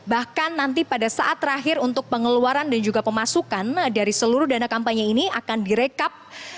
bahkan nanti pada saat terakhir untuk pengeluaran dan juga pemasukan dari seluruh dana kampanye ini akan direkap